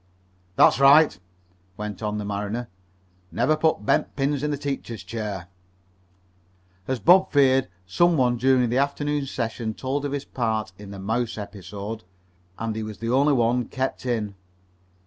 "That's right," went on the mariner. "Never put bent pins in the teacher's chair." As Bob feared, some one during the afternoon session told of his part in the mouse episode, and he was the only one kept in.